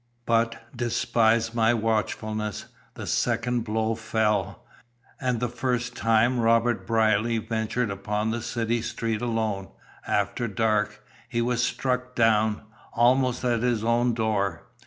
"But despite my watchfulness, the second blow fell, and the first time Robert Brierly ventured upon the city street alone, after dark, he was struck down, almost at his own door.